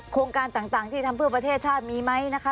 โครงการต่างที่ทำเพื่อประเทศชาติมีไหมนะคะ